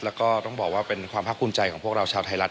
แล้วก็ต้องบอกว่าเป็นความภาคภูมิใจของพวกเราชาวไทยรัฐ